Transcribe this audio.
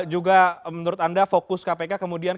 juga menurut anda fokus kpk kemudian